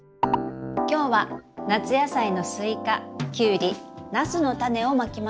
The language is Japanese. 「今日は夏野菜のスイカキュウリナスのタネをまきました。